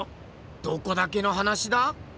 どこだけの話だ？